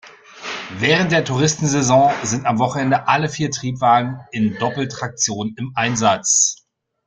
Während der Touristensaison sind am Wochenende alle vier Triebwagen in Doppeltraktion im Einsatz.